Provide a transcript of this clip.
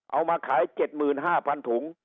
เอามาขาย๗๕๐๐ถุง